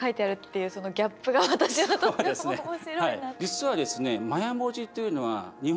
実はですね